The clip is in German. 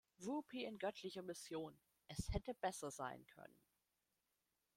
Whoopi in göttlicher Mission, es hätte besser sein können…“